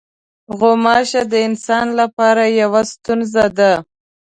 غوماشې د انسان لپاره یوه ستونزه ده.